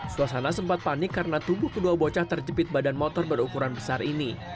suasana sempat panik karena tubuh kedua bocah terjepit badan motor berukuran besar ini